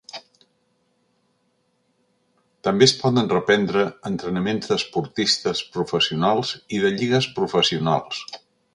També es podran reprendre entrenaments d’esportistes professionals i de lligues professionals.